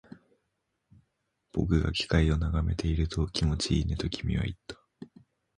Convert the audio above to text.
僕が機械を眺めていると、気持ちいいねと君は言った